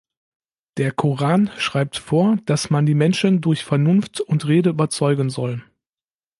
Der Koran schreibt vor, dass man die Menschen durch Vernunft und Rede überzeugen soll.